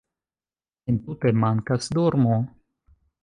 Entute mankas dormo